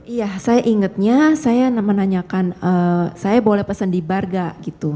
iya saya ingatnya saya menanyakan saya boleh pesan di bar gak gitu